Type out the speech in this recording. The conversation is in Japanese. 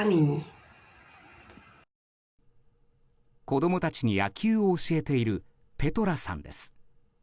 子供たちに野球を教えているペトラさんです。